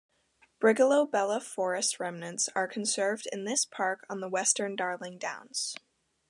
Brigalow-belah forest remnants are conserved in this park on the western Darling Downs.